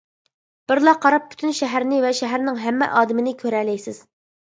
بىرلا قاراپ پۈتۈن شەھەرنى ۋە شەھەرنىڭ ھەممە ئادىمىنى كۆرەلەيسىز.